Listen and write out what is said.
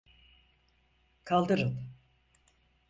Kaldırın.